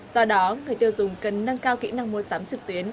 do đó người tiêu dùng cần nâng cao kỹ năng mua sắm trực tuyến